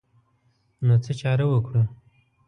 نو څه چاره وکړو.